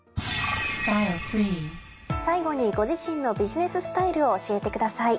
最後にご自身のビジネススタイルを教えてください。